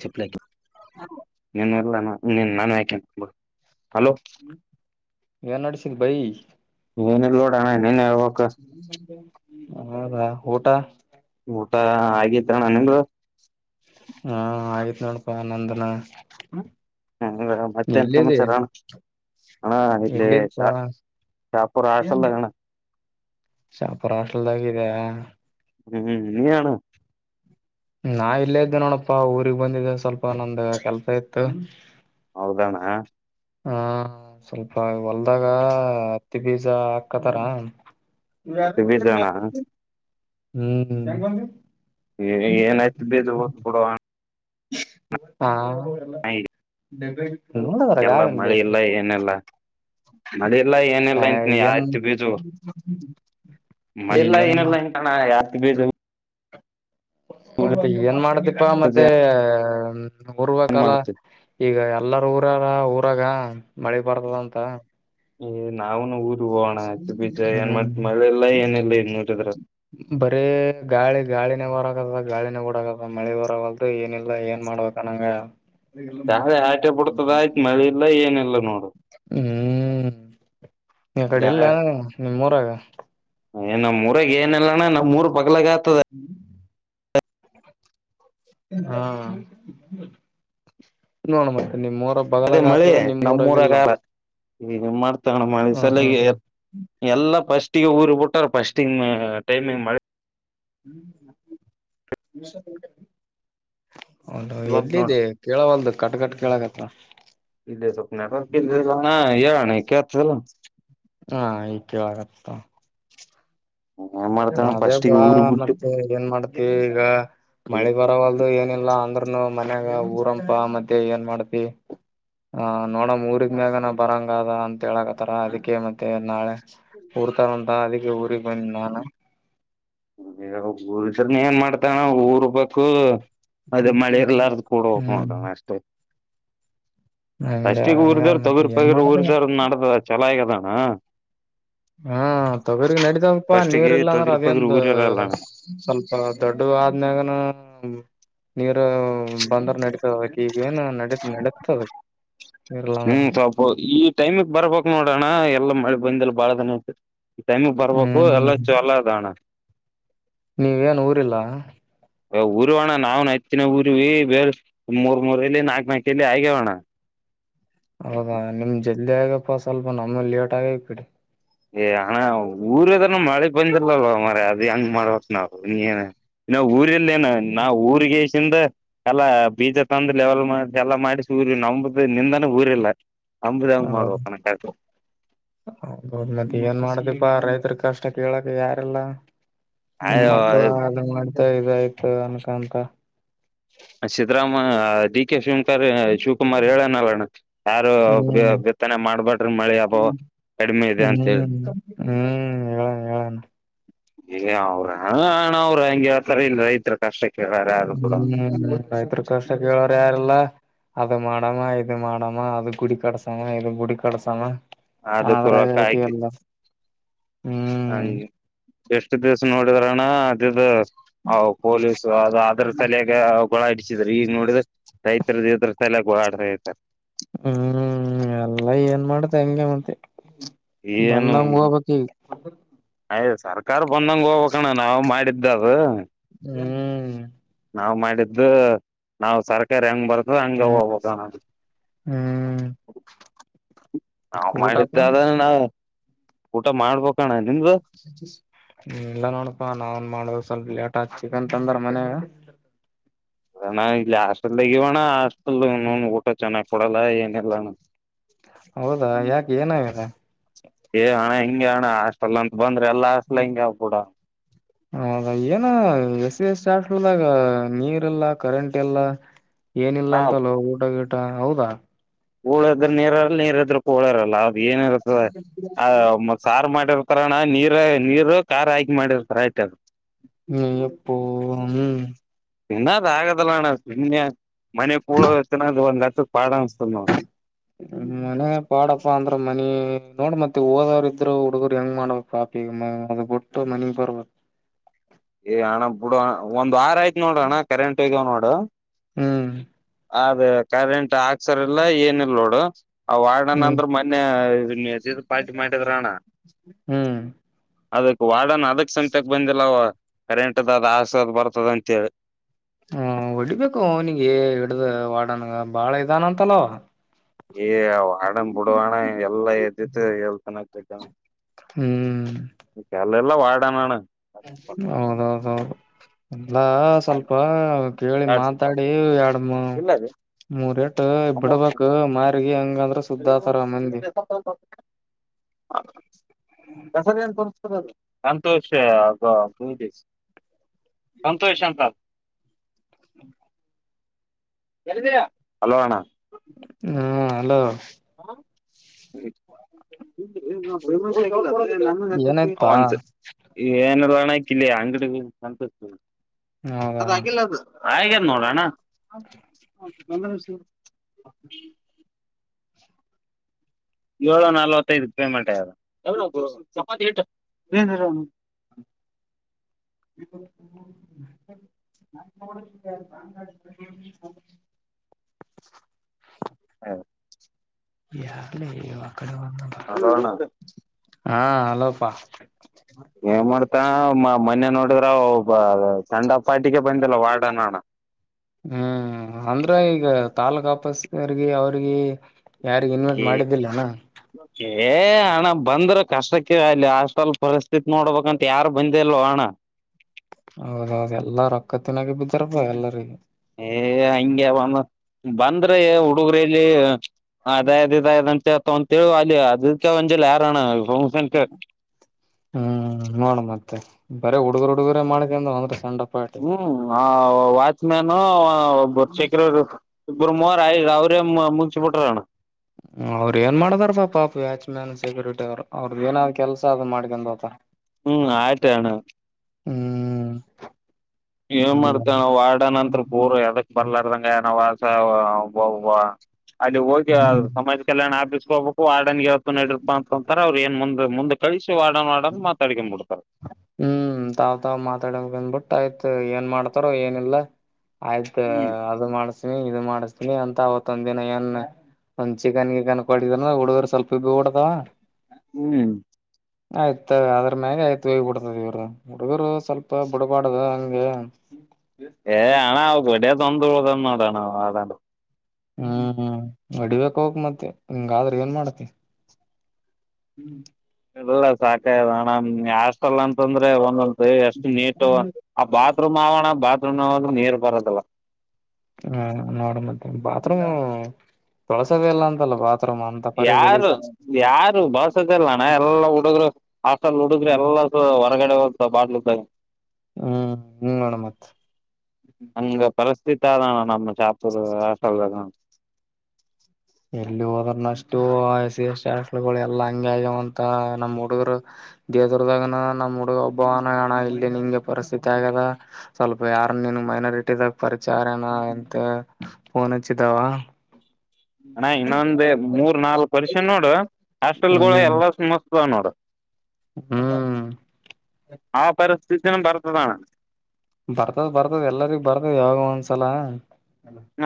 ಚಪ್ಲಕ ನೀನು ಇಲ್ಲ ನಾನು ಯಾಕನೆ ಹಲೋ ಏನ್ ನಡ್ಸಿದ್ ಬೈ ಏನಲ್ಲೋಡಣ ನೀನೇ ಹೇಳಬೇಕು ಹಾದಾ ಊಟ ಊಟ ಆಗತ್ ಅಣ್ಣ ನಿಂದು ಹಾ ಆಗತ್ ನೋಡಪಾ ನಂದನ ಹ್ಮ ಮತ್ತೆನು ಸಂಚರ ಎಲ್ಲಿಪ್ಪಾ ಶಾಪುರ್ ಹಾಸ್ಟೆಲ್ದಾಗ ಅಣ್ಣ ಶಾಹಾಪುರ ಹಾಸ್ಟೆಲ್ ದಾಗಿದೆ ಹ್ಮ್ ಇನ ನಾ ಇಲ್ಲೇ ಇದ್ದೆ ನೋಡಪ್ಪಾ ಊಗ್ ಬಂದಿದ್ದ ಸ್ವಲ್ಪ ನಂದ ಕೆಲ್ಸ ಇತ್ತು ಹೌದಾನಾ ಹಾ ಸ್ವಲ್ಪ ಹೊಲ್ದಾಗ ಹತ್ತಿ ಬೀಜ ಹಾಕತಾರ ಹತ್ತಿ ಬೀಜ ಅಣ್ಣ ಹ್ಮ ಏನಾಯ್ತು ಬೀಜ ಹೋಗದ ಕೊಡುವ ಹಾ ಹ ನವೆ ಎಲ್ಲ ಮಳ ಇಲ್ಲ ಏನಲ್ಲ ಮಲ್ಲಾಯ ಎನ ಲೈನ್ ನೀ ಏನ್ ಆತ್ತಿು ಬೀಜು ಮೆಲ್ಲ ಏನ್ ಏನೆಲ್ಲಾ ಇನ್ಕಣ ಯ ಬ ಮತ್ತೆ ಏನ್ ಮಾಡದಪ್ಪಾ ಮತ್ತೆ ಏನ್ ಉರ್ಬೇಕಲ್ಲ ಮಾಡ್ತಿ ಈಗ ಎಲ್ಲಾರ ಊರಾರ ಊರಾಗ ಮಳೆ ಬರ್ತದ ಅಂತ ಹ ನಾವುನು ಊ ಹ್ಮ ಏನಿಲ್ಲ ಇನ್ ನೋಡಿದ್ರ ಬರ ಗಾಳ ಗಾಳ ಗಾಳಿನೇ ಹೊರಾಗದ ಗಾಳಿನೆ ಗೂಡಗದ ಮಳೆ ಹೊರಾಗಲ್ದು ಏನಿಲ್ಲ ಏನ್ ಮಾಡ್ಬೇಕ ನಂಗ ಸಳೆ ಆಟೆ ಬಿಡ್ತದ ಆಯ್ತ್ ಮಳೆ ಇಲ್ಲ ಏನಿಲ್ಲ ನೋಡು ಹ್ಮ್ ನಿ ಕಡೆ ಎಲ್ಲ ಗಾಳಿ ನಿಮ್ಮೂರಾಗ ಏ ನಮ್ಮಊರಾಗ ಏನಲ್ಲಣ್ಣ ನಮ್ಮ್ಊರ್ ಪಗ್ಲಾಗ ಹ್ಮ್ ಹಾ ನೋಣ ಮ ನಿಮ್ಮ್ಊರ ಬಗ್ಲಾಗ ಆತದ ನಿಮ್ಮ್ಊರಾಗ ಇಲ್ಲೋ ಈ ಮಾಡ್ತಗೋಣ ಮಾಡಿ ಸಲಗೆ ಎಲ್ಲ ಸ್ಟ್ ಟ್ಟಿಗೆ ಊರು ಬಿಟ್ಟಾರ ಫಸ್ಟಿಂಗ್ ಮಿಂಗ್ ಮೆ ಹ್ಮ ಹೌದು ಬಂತ ನೋಡ ಎಲ್ಲಿದೆ ಕೇಳವಲ್ದು ಕಟ್ ಕಟ್ ಕೇಳಕತ್ರ ಇ ಸೊಪ್ನ ಯಾನ ಕೆಲ್ಲ. ಹಾ ಕ್ಕೆೆವಗತ್ತ ಏನ್ ಮಾಡ್ತಾನ ಅದೇ ಫಸ್ಟಿಗೆ ಬಾ ಊರು ಬಿಟ್ಟು ಮತ್ತೆ ಏನ್ ಮಾಡ್ತಿ ಈಗ. ಮಳಿ ಅಯ್ಯಪ್ಪ ಬರವಲ್ದು ಏನಿಲ್ಲಾ ಅಂದ್ರನು ಮನ್ಯಾಗ ಊರಂಪ ಮತ್ತೆ ಏನ್ ಮಾಡ್ತಿ. ಹ ನೋಡಮ ಊರಿಗ್ ಮ್ಯಾಗನ ಬರಂಗದ ಅಂತ ಹೇಳಕತ್ತಾರ ಅದಕ್ಕೆ ಮತ್ತೆ ನಾಳೆ. ಊರ್ತಾರಂತ ಅದಕ್ಕೆ ಊರಿಗೆ ಬಂದ ನಾನ. ಸರ್ನ ಏನ್ ಮಾಡ್ತಾನ ಊಡು ಬೇಕು. ಅದೇ ಮಳೆ ಎಲ್ಲರ್್ದ ಕೂಡ ಹೋಗಕ ಹ್ಮ್ ಮಾಡಣ ಅಷ್ಟೇ. ಹಂಗ ಅಷ್ಟಿಗ ಹಂಗ ಊರಿದವ ಮತ್ತೆ ತೊಗರ್ ಏನ್ ಪಗರ್ ಮಾಡದ ಊರಿದವ ನಡತದ ಚಲೋ ಆಗದಣ್ಣ. ಹಾ ತೊಗರಿಗ ನಡಿತಾವಪ್ಪಾ ನೀರ್ ಫಸ್ಟಿಗೆ ಇಲ್ಲಾ ಅಂದ್ರೆ ತೊಗಿರಿ ಪಗಿರಿ ಅದೇಂದು. ಅ ಊರಿರಲ್ಲಣ್ಣ ಸ್ವಲ್ಪ ದೊಡ್ಡ ಆದ್ಮ್ಯಾಗನ. ನೀರು ಬಂದರು ನಡತಾವ ಈಗ ಏನು ನಡ ನಡತದ. ಹ್ಮ್ ಸ್ವಲ್ಪ ಈ ಟೈಮಕ್ ಬರ್ಬೇಕಕ್ ನೋಡೋಣ ಎಲ್ಲ ಮಳೆ ಬಂದಲ್. ಬಾಳ್ದನ ಈ ಟೈಮಗ್ ಬರ್ಬೇಕು ಎಲ್ಲ ಹ್ಮ್ ಚಲ ಅದಣ್ಣ. ನೀವೇನ್ ಊರಿಲ್ಲ. ಊರುವ ಅಣ್ಣ ನಾವ್ ಹತ್ಿನ ಊರ್ ಬೇ ಮೂರ್ ಮೂರಲ್ಲಿ ನಾಕ್ ನಾಕಲ್ಲಿ ಆಗ್ಯವಣ್ಣ. ಹೌದಾ ನಿಮ್ ಜಲ್ದಿ ಆಗಪ್ಪ ಸ್ವಲ್ಪ ನಮ್ಮ ಲೇಟ್ ಆಗ ಬಿಡಿ. ಏ ಹಣ್ಣ ಊರದನ ಮಳೆಗ್ ಬಂದಿಲ್ಲಲ್ವ ಮ್ರ ಅದ ಹೆಂಗ್ ಮಾಡವ. ಏನ ಇನ್ನ ಊರಿಲ್ಲ ಏನ ನಾ ಊರಿಗೆ. ಿಂದ ಎಲ್ಲ ಬೀಜ ತಂದು ಲೆವೆಲ್ ಮಾಡ ಎಲ್ಲ ಮಾಡಿ ಸೂರ್ಯ ನಂಬ. ನಿಂದಾನೆ ಊರ ಇಲ್ಲ ಅಂಬದ ಹೌದು ಮಾಡುವನಗೆು. ಹೌದೌದು ಮತ್ತೆ ಏನ್ ಮಾಡ್ದಿಪ್ಪಾ ರೈತರ ಕಷ್ಟ ಕೇಳಕ್ ಯಾರೆಲ್ಲ. ಅ ಮಕ್ಳ ಅ ಮಂತ ಇದಯ್ತ ಅನ್ಕಂತ. ಸಿದ್ದರಾಮ ಡಿ ಕೆ ಗೆ ಹೇಳಿ. ಶಿವಕುಮಾರ್ ಹೇಳನಲ್ಲಣ್ಣ ಯಾರು ಹ್ಮ್ ಬಿತ್ತನೆ ಮಾಡ್ಬಡ್ರಿ ಮಳೆ ಅಭಾವ. ಕಡಿಮೆ ಇದೆ ಹ್ಮ್ ಅಂತ ಹ್ಮ್ ಹೇಳಣ ಹೇಳೋಣ. ಏ ಅವ್ರ ಹಣ್ಣ ಅವ್ರರು ಹಂಗೆ ಹತಾರೆ ಇಲ್ಲ ರೈತರ ಕಷ್ಟಕ್ಕೆೇಳಾರೆ ಅದು ಕೂಡ. ರೈತ್ರಕೋಶ ಕೇಳೋ್ರ ಯಾರೆಲ್ಲ. ಅದು ಮಾಡಾಮ ಇದು ಮಾಡಮ್ಮ ಅದು ಗುಡಿ ಕಡಿಸಮ ಗುಡಿ ಕಡಸಾಮ. ಅದಕ್ಕೂ ಹರ ರತಲ್ಲ. ಹ ಎಷ್ಟು ದಿವ್ಸ ನೋಡಿದ್ರಣ್ಣ ಅದುದು. ಹ ಪೊಲೀಸು ಅದು ಅದ್ರ ತಲಯಾಗ ಗಳ ಹಡಸಿದ್ರ ಈಗ ನೋಡಿದ ರೈತರದದು ಇದ್ರ ತಲ. [unintelligible] ಹ್ಮ್ ಎಲ್ಲ ಏನ್ ಮಾಡ್ದ ಹಂಗಗೆ ಮತ್ತೆ. ಏನು ಬಂದ ಹೋಗಬಾತೀವಿ. ಅಯ ಸರ್ಕಾರ ಬಂದಂಗ ಹೋಗ್ಕಣ್ಣ ನಾವವು ಮಾಡಿದ್ದದು. ಹ್ಮ್. ನಾವ್ ಮಾಡಿದ್ದ್ ನಾವ್ ಸರ್ಕಾರ ಹೆಂಗ್ ಬರುತ್ತ. ಹಂಗೆ ಹೋಗ್ಬೇಕು. ಹ್ಮ್ ನಾವ್ ಊಟಪ್ಪ ಮಾಡಿದ್ದೆ ಆದ್ರ ನಾ ಊಟ ಮಾಡ್ಬೇಕಣ. ನಿಮ್ದು ಹ್ಮ ಎಲ್ಲ ನೋಡಪಾ ನಾನ್ ಮಾಡುದು ಸ್ವಲ್ಪ. ಚಿಕನ್ ತಂದ್ರ ಮನ್ಯಾಗ. ಅಣ್ಣ ಇಲ್ಲಿ ಹಾಸ್ಟೆಲ್ದಾಗವಣ್ಣ ಹಾಸ್ಟೆಲ್ ನ ಊಟ ಚೆನ್ನಾಗ್ ಕೊಡಲ್ಲ ಏನ ಇಿಲ್ಲಣ್ಣ. ಹೌದಾ ಯಾಕೆ ಏನಾವ್ಯಾರ. ಹ ಆಷ್ಟಲ್ಲ. ಹೌದ ಏನ ಎಸ ಎ. ಾದಾಗ ನೀರ್ ಎಲ್ಲ ಕರೆಂಟ್ ಎಲ್ಲ ಏನಿಲ್ಲ ನಾ ಅಂತಲ್ಲ ಊಟ. ಹೌದಾ. ಹೋಳ ಇದ್ರ ನೀರ್ರಲ್ಲ ನೀರ್ ಇದ್ರಕ್ಕ ಹೂಳ ಇರಲ್ಲ ಅದು ಏನಿರುತ್ತದ ಸಾರು ಮಾಡಿ. ಿರ್ತಾರ ನಾ ನೀರ್ ನೀರು ಾರ್ ಹಾಕಿ ಮಾಡಿರ್ತಾರ ಆಯ್ತ. ನೀ ಎಪ್ಪ ಹ್ಮ ತಿನ್ನದ್ ಆಗದಲ್ಲಣ್ಣ ಸುಮ್ಮನೆ ಮನೆ ಕೂಳತ್ತಿನದು ಒಂದ್ ಹತ್ತಕ್ ಪಾಡ ಅನ್ಸ್ತದ ನೋಡ ಮನೆ ಪಾಡಪ್ಪ ಅಂದ್ರ ಮನ ನೋಡ್ ಮತ್ತೆ ಓದೋರ ಇದ್ರ್ ಹುಡ್ಗರು ಹೆಂಗ್ ಮಾಡ್ಬೇಕು ಪಾಪಿ ಅದು ಬಿಟ್ಟು ಮನಗ್ ಬರ್ಬೇಕು ಏ ಅಣ್ಣ ಬಿಡಣ ಒಂದ್ ವಾರ ಆಯ್ತ ನೋಡ ಅಣ್ಣ ಕರೆಂಟ್ ಇದಗಾವ ನೋಡ ಹ್ಮ್ ಅದೇ ಕರೆಂಟ್ ಹಾಕ್ಸರ್ಲ್ಲ ಏನ ಇಲ್ ನೋಡು ಆ ಹ್ಮ್ ವಣನಂದ್ರ ಮೊನ್ನ ಪಾ್ಟಿ ಮಾಡಟಿದ್ರ ಅಣ್ಣ ಹ್ಮ್ ಅದಕ್ ವಾಡನ್ ಅದಕ್ ಸಮತಕ್ ಬಂದಿಲ್ಲ ಅವ ಕರೆಂಟದ ಅದ ಆಸದ್ ಬರ್ತದ ಅಂತೇಳಿ ಹ್ಮ ಹೊಡಿಬೇಕು ನಿಿಗೆ ಹಿಡ್ದ ವಾಡನ್ ಬಾಳ ಇದಾನ ಅಂತಲ್ಲವ ಏ ಅಣ ಬಿಡ ಅಣ ಎಲ್ಲಾ ಎದ್ದತ್ತು ಎಲ್ ಚೆನ್ನಕ್ ಗತ ಹ್ಮ್ ಅಲ್ಲೆಲ್ಲ ವಾಡಾನು ಹೌದೌದೌದು ಅಲ್ಲಾ ಸ್ವಲ್ಪ ಕೇಳಿ ಮಾತಾಡಿ ಎರಡ್ಮ ಇಲ್ಲ ರೀ ಮೂರೇಟ್ ಬಿಡ್ಬೇಕಕ್ ಮಾರಗಿ ಹಂಗಂದ್ರ ಸುದ್ದಾತರ ಮಂದಿ ಕಸರಿನು ಪ ಸಂತೋಷ ಸಂತೋಷ ಅಂತ ಹಲೋ ಅಣ್ಣ ಹ್ಮ್ ಹಲೋ ಹ ಸರಿ ಏನಾಯ್ತಾ ನ್ಸ ಏನ ಅಂಗಡಿಂತ ಹೌದಾ ಹಾಗ ನೋಡೋಣ ಹ ಹ ಬಂದಷ ಏಳು ನಲ್ವತ್ತೈದ ಪೇಮೆಂಟ್ ಹೌ ಯಡೆ ಹಲೋ ಅಣ್ಣ ಹಾ ಹಲೋಪ್ಪಾ ಏನ್ ಮಾಡ್ತಾ ಮೊನ್ ನೋಡ್ ಮಾಡಡಿದ್ರ ಒಬ್ಬ ಸೆಂಡ್ ಅಪ್ ಪಾಟಿಗೆ ಬಂದಿಲ್ಲ ವಾರ್ಡ ನೋಣ ಹ್ಮ್ ಅಂದ್ರ ಈಗ ತಾಲೂಕ್ ಆಫೀಸ್ರ್ಗ ಅವ್ರಗ ಯಾರಿಗ ಇನ್ವೆಟ್ ಈ ಮಾಡಿದ್ದಿಲ್ಲನಾ ಏ ಹಣ ಬಂದ್ರ ಕಷ್ಟಕ್ಕೆ ಅಲ್ಲಿ ಹಾಸ್ಟೆಲ್ ಪರಿಸ್ಥಿತಿ ನೋಡ್ಬೇಕಂತ ಯಾರು ಬಂದಿಲ್ವೋ ಹಣ ಹೌದೌದು ಎಲ್ಲಾರ ರೊಕ್ಕತ್ತಿನಾಗ ಬಿದ್ದಾರಪ್ಪ ಎಲ್ಲರಿಗ ಏ ಹಂಗಗೆ ಒಂದ ಬಂದ್ರೆ ಹುಡುಗರಲ್ಲಿ ಅದೇ ಅದ್ ಇದ ಅದ ಅಂತ ಹೇತ ಒಂತೇಳಿ ಅಲ್ಲಿ ಅದಕ್ಕೆ ಒಂಜಲಿ ಯಾರೋಣ ಹ್ಮ್ ನೋಡ ಮತ್ತ ಮ ಬೇ ಹುಡುಗರು ಹುಡುಗರೇ ಮಾಡ್ತ ಅಂದ ಅಂದ್ರೆ ಸಣ್ಣ ಪಾರ್ಟಿ ಹ್ಮ್ ವಾಚ್ಮ್ಯಾನ್ರ್ ಚಕ್ರರು ಗು ಮವರ ಆ ಅವರ ಮುನ್ಸಿಪಟರ ಅವ್ ಏನ್ ಮಾಡಿದಾರ ಪಾ ಪಾಪ ವ್ಯಾಚ್ಮ್ಯಾನ್ ಸೆಕ್ರೆಟರಿ ಅವ್ ಅವ್ರದ್ದ ಏನಾದ್ ಕೆಲ್ಸ ಅದ್ ಮಾಡ್ಕಂಡ ಹತಾರ ಹ್ಮ್ ಆಯತಾನ ಹ್ಮ್ ಏನ್ ಮಾಡ್ತೇವ ನ ವಾರ್ಡ ನಂತ್ರ ಪೂರ್ ಎದಕ್ ಬರ್ಲಾರಂಗ ನಬ ಅಲ್ಲಿ ಹೋಗಿ ಸಮಾಜ ಕಲ್ಯಾಣ ಆ ಹೋಗ್ಬೇಕು ವಾರ್ಡನ್ಗೆ ಅವವತ್ತು ನಡಡಿರ್ಪ ಅಂತಕಂತಾರೆ ಅವ್ರು ಏನ್ ಮುಂದ ಮುಂದ ಕಳಿಸಿ ವಾರ್ಡನ್ ವಾರ್ಡನ್ ಮಾತಾಡಕೊಂಡ್ ಬಿಡ್ತಾರೆ ಹ್ಮ್ ತಾವ್ ತಾವ್ ಮಾತಾಡ ಬಂದ್ಬಿಟ್ಟ ಆಯ್ತು ಏನ್ ಮಾಡ್ತಾರೋ ಏನಿಲ್ಲ ಆಯ್ತ ಹ್ಮ್ ಅದು ಮಾಡಸ್ತನಿ ಇದು ಮಾಡಿಸತನಿ ಅಂತ ಅವತ್ತೊಂದ ದಿನ ಏನ್ ಒಂದ್ ಚಿಕನಗೆ ಕನ್ಕೊಂಡಿದ ಹುಡುಗರು ಸ್ವಲ್ಪ ಬಿ ಬಿಡದವ ಹ್ಮ್ ಆಯ್ತ ಅದ್ರ್ಯೆ ಆಯ್ತುಡ ವ ಹುಡುಗರು ಸ್ವಲ್ಪ ಬುಡಬಾಡದ ಹಂಗೆ ಏ ಆಣ ಬೆಡಿಯ ತೊಂದ ಉದಂದೋಡಣ ಅ ಹ್ಮ್ ಅಡಿಬೇಕಕ್ ಹೋಗಕ್ ಮತ್ತೆ ನಿಂಗಾದ್ರೆ ಏನ್ ಮಾಡತಿ ಹ್ಮ್ ಇಲ್ಲ ಸಾಕ ಅಣ್ಣ ಹಾಸ್ಟೆಲ್ ಅಂತಂದ್ರೆ ಒಂದೊ ಅ ಅಷ್ಟು ನೀಟ್ ಆ ಬಾತ್ರೂಮ್ ಆಗೋಣ ಬಾತ್ರೂಮ್ ನೀರ್ ಬರದಲ್ಲ ಹ್ಮ ನೋಡ ಮತ್ತೆ ಬಾತ್ರೂಮ್ ತಳಸವೇ ಎಲ್ಲ ಅಂತಲ್ಲ ಬಾತ್ರೂ ಯಾರು ಯಾರು ಬಾವಸದಲ್ಲಣ್ಣ ಎಲ್ಲ ಹುಡುಗರು ಆಲ್ ಹುಡುಗ್ರೆ ಎಲ್ಲ ಸ ಹೊರಗಡೆ ಹ ಬಾಟ್ಲು ಹ್ಮ್ ನಿಂಗ ನೋಣ ಮತ್ ಅಂಗ ಪರಿಸಸ್ಥಿತಾದ ನಮ್ಮ ಚಾಪುರು ವಸಲ್ದ ಎಲ್ಲಿ ಹೋದ್ರನಷ್ಟು ಸಿ ಎಸ್ಗಳು ಎಲ್ಲಾ ಹಂಗ ಆಗ್ಯವಂತ ನಮ್ಮ್ ಹುಡುಗರು ದೇದರ್ದಾಗನ ನಮ್ಮ್ ಹುಡುಗ ಒಬ್ಬವನ ಹಣ ಇಲ್ಲಿ ನಿಂಗೆ ಪರಿಸ್ಥಿತಿ ಆಗ್ಯದ ಸ್ವಲ್ಪ ಯಾರ್ ನೀನು ಮೈನಾರಿಟಿ ದಾಗ ಪರಿಚಾರನ ಎಂತ ಫನ್ಚದಾವ ಹಣ ಇನ್ನೊಂದ ಮೂರ್ ನಾಲ್ಕು ವರ್ಷ ನೋಡು ಹಾಸ್ಟೆಲ್ಗಳು ಹ್ಮ್ ಎಲ್ಲ ನೋಡ ಹ್ಮ್ ಆ ಪರಿಸಸ್ಥಿ ದನ ಬರತದಾನ ಬರ್ತದ ಬರ್ತದ ಎಲ್ಲರಿ ಬರ್ತದ ಯಾವ ಒಂದ್ಸಲ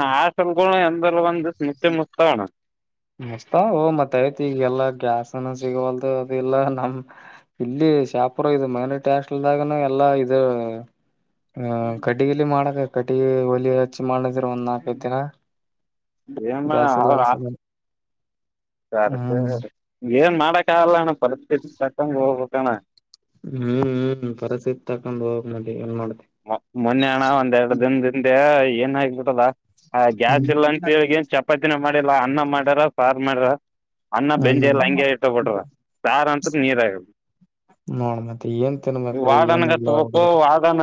ಆ ಸಲ್ಗ ಎಂದ ಒಂದ ಮುಚ್ಚ ಮುಚ್ತಾವಣ ಮಸ್ತ ಓ ಮತ್ತ ಆಯತಿ ಈಗ ಎಲ್ಲಾ ಗ್ಯಾಸ್ನ ಸಿಗವಲ್ದು ಅಲ್ಲಾ ನಮ ಇಲ್ಲಿ ಶಾಪುರ ಇದು ಮ ಟೇಸ್ಟ್ ಇಲ್ದಾಗನು ಎಲ್ಲಾ ಇದು ಹ ಕಟ್ಟಲಿ ಮಾಡಕ ಕಟ್ಟಿಗೆ ಒಲಿ ಹಚ್ಚಿ ಮಾಡಿದಿರ ಒಂದ್ ನಾಕೈದ್ ದಿನ ಏಮ್ಮ ಗ್ಯಾಸ್ ಅವ ಎಲ್ಲಾರ ಸಲ ಯಾರಕ್ಕೆ ಹ್ಮ್ ಏನ್ ಮಾಡಕಗಲ್ಲ ಅಣ್ಣ ಪರಿಸ್ಥಿತಿ ತಕ್ಕಂಗ್ ಹೋಗ್ಬೇಕಣ್ಣ ಹ್ಮ್ ಹ್ಮ್ ಪರಸಿತ್ ತಕೊಂಡ್ ಹೋಗ್ ಮಿ ಏನ್ ಮಾಡ ಮ ಮೊನ್ನೆ ಹಣ ಒಂದರಡು ದಿನದಿಂದೆ ಏನ್ ಆಗಬಿಟದಾ ಹ ಗ್ಯಾಸ್ ಇಲ್ಲ ಅಂತಗ ಏನ್ ಚಪಾತಿನ ಮಾಡಿಲ್ಲ ಅನ್ನ ಮಾಡ್ಯಾರ ಸಾರ್ ಮಾಡ್ಯಾರ ಅನ್ನ ಬೆಂಜಿ ಎಲ್ಲ ಹ್ಮ್ ಹಂಗೆ ಇರ್ತ ಬಿಟ್ರ ಸಾರ ಅಂತದ ನೀರ್ ಆಗಿ ನೋಡ್ ಮತ್ತೆ ಏನ್ ತಿನ್ಬೇಕು ವಾದನ ಏನ್ ಇಲ್ಲ ಹತ್ತಬೇಕು ಹುಡುಗರು ವಾದನ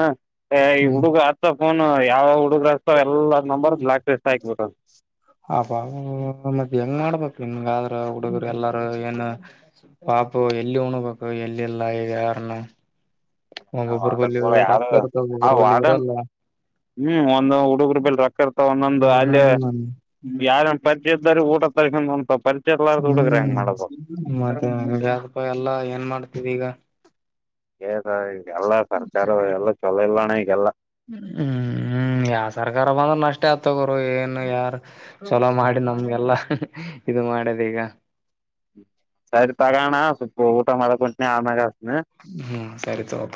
ಈ ಹ್ಮ್ ಹುಡುಗ ಆತ್ತಫೋನ್ ಯಾವ ಹುಡುಗರ ಹಚ್ತಾವ ಎಲ್ಲ ನಂಬರ್ ಬ್ಲಾಕ್ ಲಿಸ್ಟ್ ಹಾಕ್ಬಿಟ್ರ ಹಬ ಮತ್ತೆ ಹೆಂಗ್ ಮಾಡ್ಬೇಕು ಇನ್ನು ಹಾಗಾದ್ರ ಹುಡುಗರು ಎಲ್ಲಾರ ಏನು ಪಾಪು ಎಲ್ಲಿ ಉಣಬೇಕು ಎಲ್ಲಿಲ್ಲ ಈಗ ಯಾರನು ವದ ಯಾರು ಇರ್ತಾವ ಹ ಒಬ್ಬೊಬ್ಬರು ಬಲ್ಲಿ ವಡನ್ ಇರಲ್ಲ ಹ್ಮ್ ಒಂದು ಹುಡುಗರು ಬೆಲ್ ರೊಕ್ಕ ಇರ್ತ ಒಂದೊಂದು ಅಲ್ಲಿ ಹ್ಮ್ ಯಾರ ಊ ತ ಹ್ಮ್ ಮತ್ತೆ ಯಪ್ಪ ಎಲ್ಲಾ ಏನ್ ಮಾಡ್ತವಿ ಈಗ ಹ ಈಗೆಲ್ಲ ಸರ್ಕಾರ ಎಲ್ಲ ಚೊಲೋ ಇಲ್ಲಣ ಈಗೆಲ್ಲ ಹ್ಮ್ ಹ್ಮ್ ಯಾವ ಸರ್ಕಾರ ಬಂದ್ರ ನಷ್ಟೇ ಆತಗರು ಏನು ಯಾರು ಚಲೋ ಮಾಡಿ ನಮ್ಗೆಲ್ಲಾ ಇದು ಮಾಡದ್ ಈಗ ಸರಿ ತಗೋಣ ಸ್ವಪ ಊಟ ಮಾಡಕಂಟನಿ ಆಮ್ಯಾಗ ಹಚ್ತೀನಿ ಹ್ಮ್ ಸರಿ ತತ